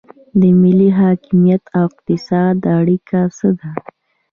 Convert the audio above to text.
د ملي حاکمیت او اقتصاد اړیکه څه ده؟